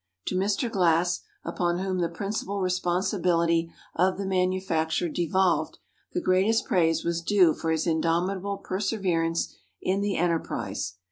To Mr. Glass, upon whom the principal responsibility of the manufacture devolved, the greatest praise was due for his indomitable perseverance in the enterprise.